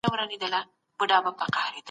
ده وویل چي پښتو د پښتنو د روح او بدن نښه ده.